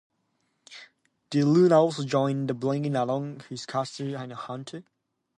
DeLuna also joined, bringing along Callista Larkadia, another bounty hunter.